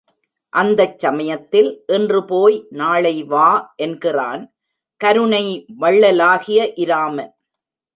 அந்தச் சமயத்தில், இன்று போய் நாளை வா என்கிறான் கருணை வள்ளலாகிய இராமன்.